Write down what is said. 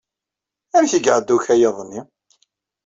Amek i iɛedda ukayad-nni?